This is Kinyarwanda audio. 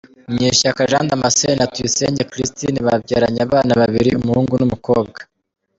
Munyeshyaka Jean Damascene na Tuyisenge Christine babyaranye abana babiri, umuhungu n’umukobwa.